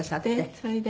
それで。